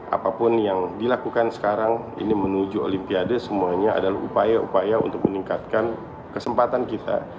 apapun yang dilakukan sekarang ini menuju olimpiade semuanya adalah upaya upaya untuk meningkatkan kesempatan kita